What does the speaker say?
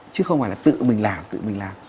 chứ không phải là tự mình làm tự mình làm